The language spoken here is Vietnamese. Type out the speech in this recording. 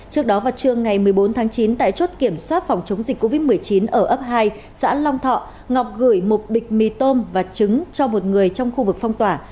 trước đó vào trưa ngày một mươi bốn tháng chín tại chốt kiểm soát phòng chống dịch covid một mươi chín ở ấp hai xã long thọ ngọc gửi một bịch mì tôm và trứng cho một người trong khu vực phong tỏa